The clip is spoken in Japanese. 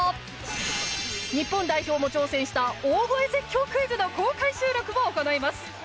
日本代表も挑戦した大声絶叫クイズの公開収録を行います